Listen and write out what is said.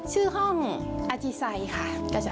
ชื่อห้องอาจีไซค่ะ